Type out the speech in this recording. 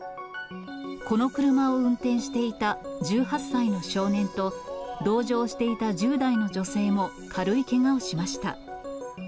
この車を運転していた１８歳の少年と、同乗していた１０代の女性も軽いけがをしました。